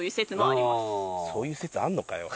そういう説あんのかよ。